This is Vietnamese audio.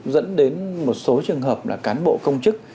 dẫn đến một số trường hợp là cán bộ công chức